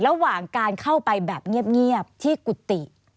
ระหว่างการเข้าไปแบบเงียบที่กุฏิ